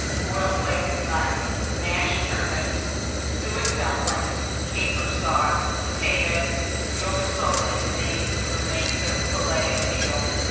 Boiled leg of mutton, mashed turnips, suet dumplings, caper sauce, potatoes, veal rissoles made with remains of fillet of veal.